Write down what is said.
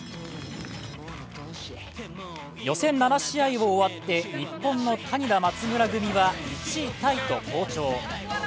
予選７試合を終わって、日本の谷田・松村組は１位タイと好調。